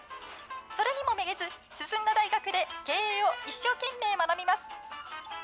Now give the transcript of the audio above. それにもめげず、進んだ大学で経営を一生懸命学びます。